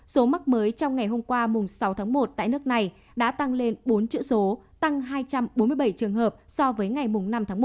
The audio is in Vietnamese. số mắc mới trong ngày hôm qua sáu tháng một tại nước này đã tăng lên bốn chữ số tăng hai trăm bốn mươi bảy trường hợp so với ngày năm tháng một